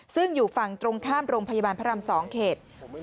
ซึ่งอยู่ฝั่งตรงข้ามโรงพยาบาลพระราม๒เขต